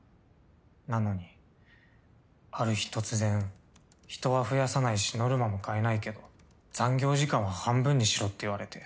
なのにある日突然人は増やさないしノルマも変えないけど残業時間は半分にしろって言われて。